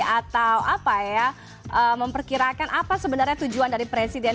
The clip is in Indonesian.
atau apa ya memperkirakan apa sebenarnya tujuan dari presiden